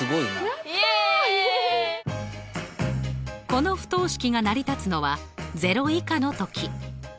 この不等式が成り立つのは０以下のとき。